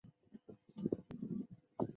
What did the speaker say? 镰叶肾蕨为骨碎补科肾蕨属下的一个种。